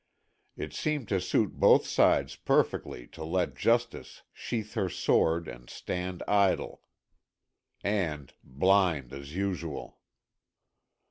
It seemed to suit both sides perfectly to let justice sheath her sword and stand idle, and blind as usual.